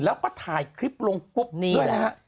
แล้วก็ถ่ายคลิปลงกุ๊บด้วยแล้วครับ